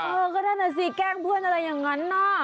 เออก็นั่นน่ะสิแกล้งเพื่อนอะไรอย่างนั้นเนอะ